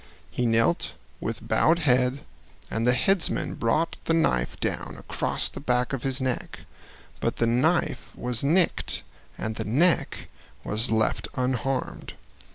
He knelt with bowed head and the headsman brought the knife down across the back of his neck, but the knife was nicked and the neck was left unharmed.